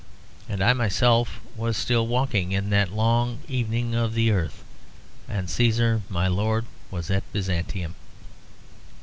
And I myself was still walking in that long evening of the earth; and Caesar my lord was at Byzantium.